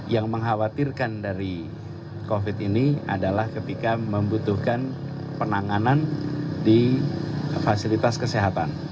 yang mengkhawatirkan dari covid ini adalah ketika membutuhkan penanganan di fasilitas kesehatan